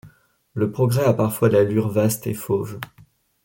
Le progrès a parfois l’allure vaste et fauve ;